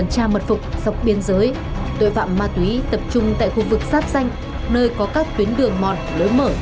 luốt ma túy vào người